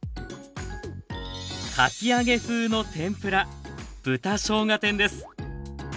かき揚げ風の天ぷら豚しょうが天です。